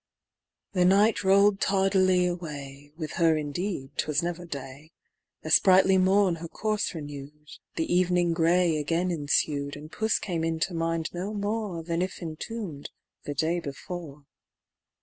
The night roll'd tardily away, (With her indeed 'twas never day,) The sprightly morn her course renew'd, The evening grey again ensued, And puss came into mind no more Than if entomb'd the day before.